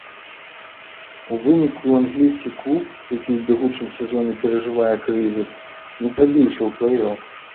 У выніку англійскі клуб, які ў бягучым сезоне перажывае крызіс, не прабіўся ў плэй-оф.